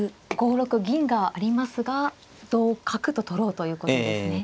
５六銀がありますが同角と取ろうということですね。